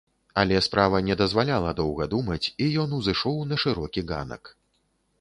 Але справа не дазваляла доўга думаць, і ён узышоў на шырокі ганак.